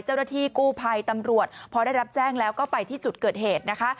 เจ้าหน้าที่กู้ภัยตำรวจพอได้รับแจ้งแล้วก็ไปที่จุดเกิดเหตุนะคะ